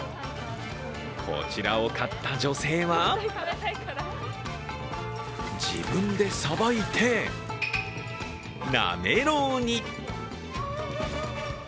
こちらを買った女性は、自分でさばいて、なめろうに。